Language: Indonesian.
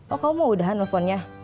oh kamu mau udahan teleponnya